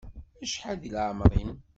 Acḥal di leɛmeṛ-im?